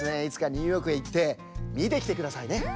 いつかニューヨークへいってみてきてくださいね。